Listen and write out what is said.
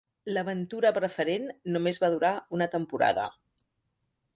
L'aventura a preferent només va durar una temporada.